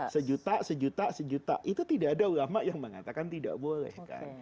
sejuta sejuta sejuta itu tidak ada ulama yang mengatakan tidak boleh kan